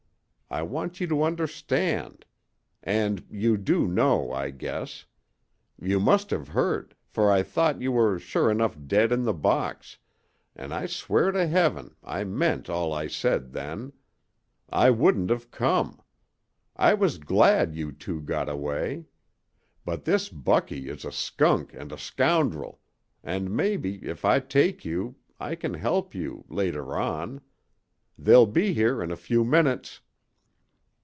I want you to understand. And you do know, I guess. You must have heard, for I thought you were sure enough dead in the box, an' I swear to Heaven I meant all I said then. I wouldn't have come. I was glad you two got away. But this Bucky is a skunk and a scoundrel and mebbe if I take you I can help you later on. They'll be here in a few minutes."